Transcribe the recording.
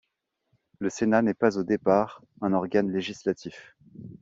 Le Sénat n'est pas au départ un organe législatif.